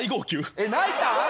えっ泣いたん？